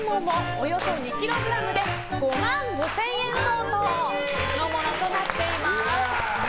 およそ２ｋｇで５万５０００円相当のものとなっています。